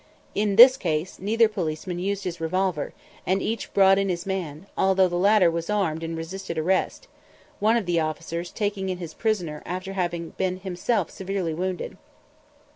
In this case neither policeman used his revolver, and each brought in his man, although the latter was armed and resisted arrest, one of the officers taking in his prisoner after having been himself severely wounded.